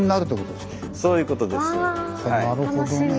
なるほどね。